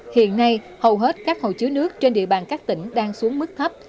hiện nay hầu hết các hồ chứa nước trên địa bàn các tỉnh đang xuống mức thấp